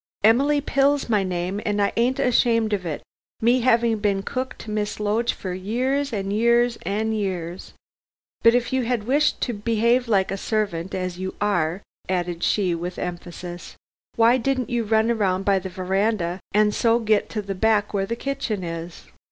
"Emily Pill's my name, and I ain't ashamed of it, me having been cook to Miss Loach for years an' years and years. But if you had wished to behave like a servant, as you are," added she with emphasis, "why didn't you run round by the veranda and so get to the back where the kitchen is.